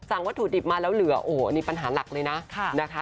วัตถุดิบมาแล้วเหลือโอ้โหอันนี้ปัญหาหลักเลยนะนะคะ